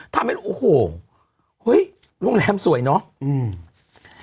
ทำให้โอ้โหเฮ้ยโรงแรมสวยเนอะอืม